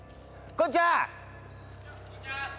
こんにちはっす。